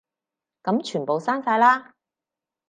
噉全部刪晒啦